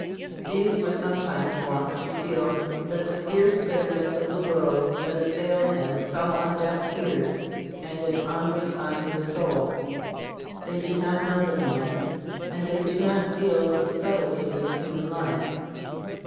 These were sometimes wont to feel that the fierce bitterness of the world that assailed him fell on deaf ears and an unresponsive soul. They did not know the man, and they do not feel the subtleties of human life.